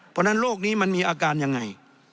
เพราะฉะนั้นโรคนี้มันมีอาการยังไง